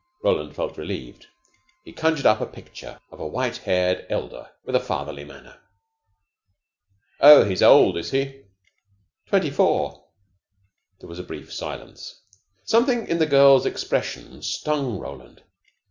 Roland felt relieved. He conjured up a picture of a white haired elder with a fatherly manner. "Oh, he's old, is he?" "Twenty four." There was a brief silence. Something in the girl's expression stung Roland.